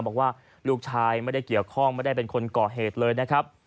บอกว่าลูกชายไม่ได้เกี่ยวข้องไม่ได้เป็นคนก่อเหตุเลยนะครับ